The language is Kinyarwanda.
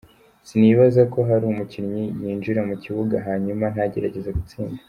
Sinibaza ko hari umukinyi yinjira mu kibuga hanyuma ntagerageze gutsinda.